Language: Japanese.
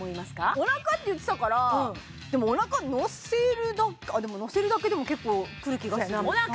お腹って言ってたからでもお腹にのせるだけでものせるだけでも結構来る気がするお腹